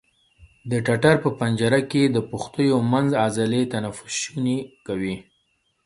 د ټټر په پنجره کې د پښتیو منځ عضلې تنفس شونی کوي.